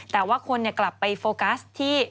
แต่ว่าคนกลับไปโฟกัสที่